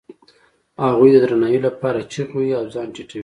هغوی د درناوي لپاره چیغې وهي او ځان ټیټوي.